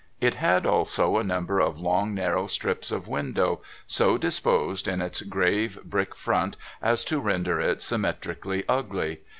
It had also a number of long narrow strips of window, so disposed in its grave brick front as to render it symmetrically ugly.